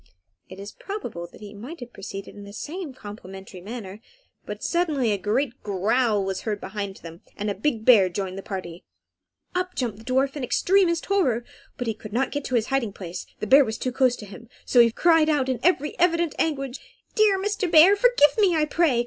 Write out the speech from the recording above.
It is probable that he might have proceeded in the same complimentary manner, but suddenly a great growl was heard near by them, and a big bear joined the party. Up jumped the dwarf in extremest terror, but could not get to his hiding place, the bear was too close to him; so he cried out in very evident anguish "Dear Mr. Bear, forgive me, I pray!